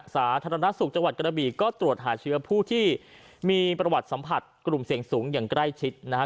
สาธารณสุขจังหวัดกระบีก็ตรวจหาเชื้อผู้ที่มีประวัติสัมผัสกลุ่มเสี่ยงสูงอย่างใกล้ชิดนะฮะ